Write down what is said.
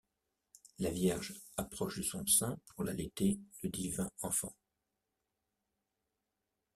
La Vierge approche de son sein pour l’allaiter le divin enfant.